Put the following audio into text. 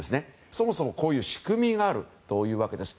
そもそもこういう仕組みがあるわけです。